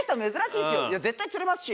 いや絶対釣れますし。